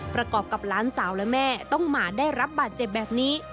ประกอบกับหลานสาวและแม่ต้องมาได้รับบาดเจ็บแบบนี้